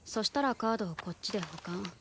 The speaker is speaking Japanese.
したらカードをこっちで保管。